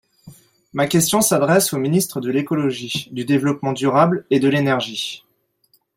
Ma question s’adresse au Ministre de l’écologie, du développement durable et de l’énergie.